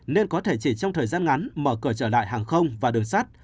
nên có thể chỉ trong thời gian ngắn mở cửa trở lại hàng không và đường sắt